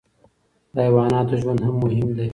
د حیواناتو ژوند هم مهم دی.